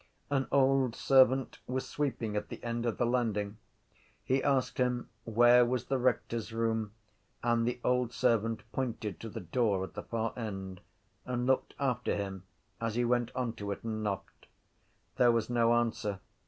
An old servant was sweeping at the end of the landing. He asked him where was the rector’s room and the old servant pointed to the door at the far end and looked after him as he went on to it and knocked. There was no answer.